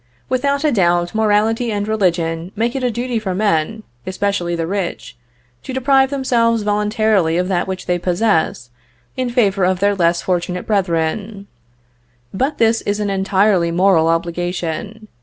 Without a doubt, morality and religion make it a duty for men, especially the rich, to deprive themselves voluntarily of that which they possess, in favor of their less fortunate brethren. But this is an entirely moral obligation.